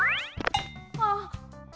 あっ。